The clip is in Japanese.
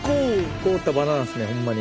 凍ったバナナっすねホンマに。